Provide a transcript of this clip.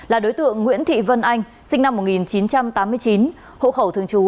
là đối tượng nguyễn thị vân anh sinh năm một nghìn chín trăm tám mươi chín hộ khẩu thường trú